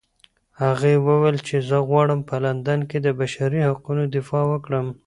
هغې وویل چې زه غواړم په لندن کې د بشري حقونو دفاع وکړم.